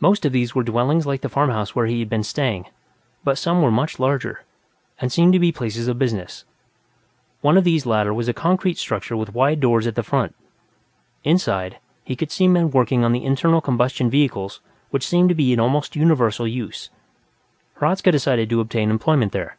Most of these were dwellings like the farmhouse where he had been staying, but some were much larger, and seemed to be places of business. One of these latter was a concrete structure with wide doors at the front; inside, he could see men working on the internal combustion vehicles which seemed to be in almost universal use. Hradzka decided to obtain employment here.